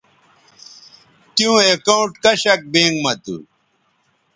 تیوں اکاؤنٹ کشک بینک مہ تھو